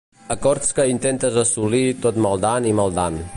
Acords que intentes assolir tot maldant i maldant.